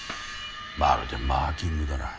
まるでマーキングだな。